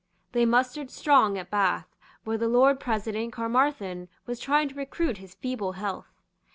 They mustered strong at Bath, where the Lord President Caermarthen was trying to recruit his feeble health.